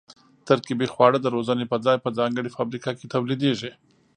ترکیبي خواړه د روزنې په ځای او ځانګړې فابریکه کې تولیدېږي.